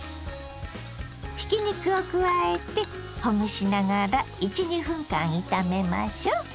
ひき肉を加えてほぐしながら１２分間炒めましょう。